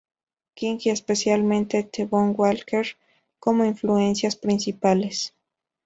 King y especialmente T-Bone Walker como influencias principales.